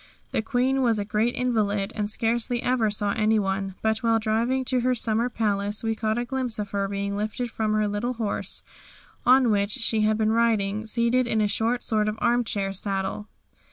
The Queen was a great invalid and scarcely ever saw anyone, but while driving to her summer palace we caught a glimpse of her being lifted from her little horse, on which she had been riding, seated in a sort of armchair saddle.